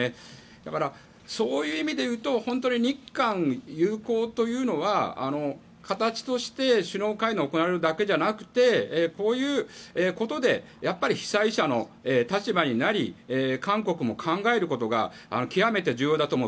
だから、そういう意味で言うと日韓友好というのは形として首脳会談が行われるだけじゃなくてこういうことで被災者の立場になり韓国も考えることが極めて重要だと思う。